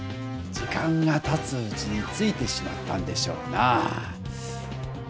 時間がたつうちについてしまったんでしょうなぁ。